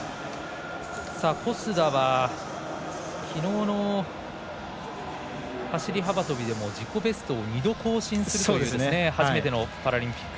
小須田は、きのうの走り幅跳びでも自己ベストを２度更新するという初めてのパラリンピック。